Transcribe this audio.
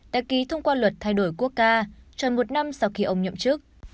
đã ký thông qua luật thay đổi quốc ca tròn một năm sau khi ông nhậm chức